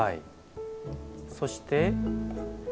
そして？